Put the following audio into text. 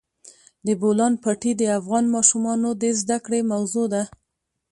د بولان پټي د افغان ماشومانو د زده کړې موضوع ده.